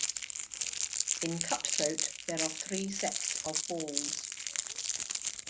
In cutthroat, there are three sets of balls.